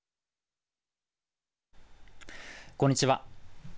こんにちは。